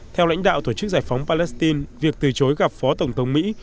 theo lãnh đạo tổ chức giải phóng palestine việc từ chối gặp phó tổng thống mỹ